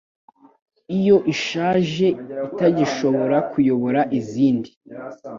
Iyo ishaje cyane itagishobora kuyobora izindi,